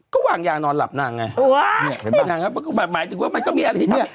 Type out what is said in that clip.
ก็วางยางนอนหลับนางไงโอ๊ยนางก็แบบหมายถึงว่ามันก็มีอะไรที่ทำ